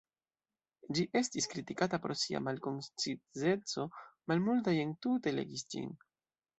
Ĝi estis kritikata pro sia “malkoncizeco”, malmultaj entute legis ĝin.